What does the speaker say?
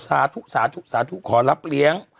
สาธุขอรับเลี้ยง